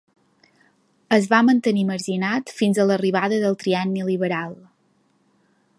Es va mantenir marginat fins a l'arribada del Trienni Liberal.